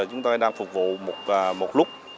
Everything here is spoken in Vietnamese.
chúng tôi đang phục vụ một lúc